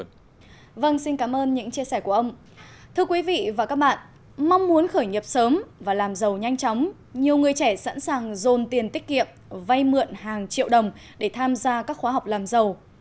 nhiều người trẻ sẵn sàng dồn tiền tích kiệm vay mượn hàng triệu đồng để tham gia các khóa học làm giàu